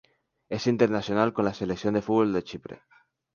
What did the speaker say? Es internacional con la selección de fútbol de Chipre.